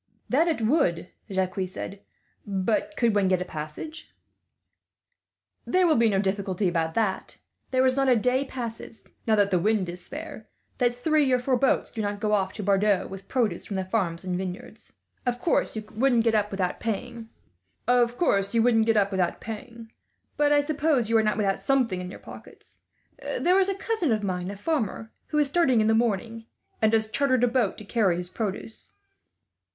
"That it would," Jacques said; "but could one get a passage?" "There will be no difficulty about that. There is not a day passes, now that the wind is fair, that three or four boats do not go off to Bordeaux, with produce from the farms and vineyards. Of course, you wouldn't get up without paying; but I suppose you are not without something in your pockets. "There is a cousin of mine, a farmer, who is starting in the morning, and has chartered a boat to carry his produce.